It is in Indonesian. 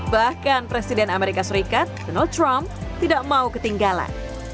bahkan presiden amerika serikat donald trump tidak mau ketinggalan